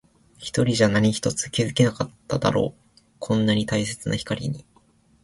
一人じゃ何一つ気づけなかっただろう。こんなに大切な光に。